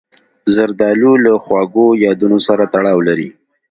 زردالو له خواږو یادونو سره تړاو لري.